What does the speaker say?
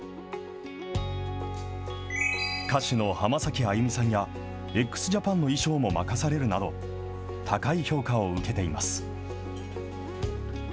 歌手の浜崎あゆみさんやＸＪＡＰＡＮの衣装も任されるなど、高い評価を受けています。